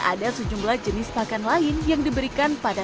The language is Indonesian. ada sejumlah jenis pakan lain yang diberikan pada